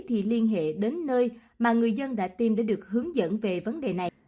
thì liên hệ đến nơi mà người dân đã tìm để được hướng dẫn về vấn đề này